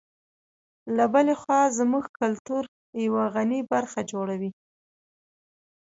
له بلې خوا زموږ کلتور یوه غني برخه جوړوي.